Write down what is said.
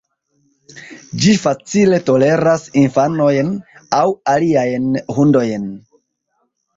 Ĝi facile toleras infanojn aŭ aliajn hundojn.